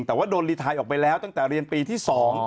แต่ว่าโดนรีไทยออกไปแล้วตั้งแต่เรียนปีที่๒